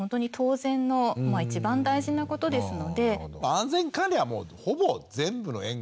安全管理はもうほぼ全部の園が。